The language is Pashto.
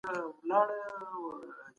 له خدای څخه وویریږئ.